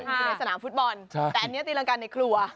อยู่ในสนามฟุตบอลแต่อันนี้ตีรังการในครัว